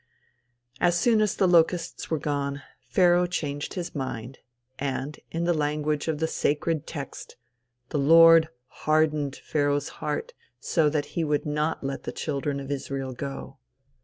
As soon as the locusts were gone, Pharaoh changed his mind, and, in the language of the sacred text, "the Lord hardened Pharaoh's heart so that he would not let the children of Israel go."